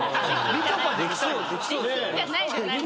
みちょぱできそうだよね。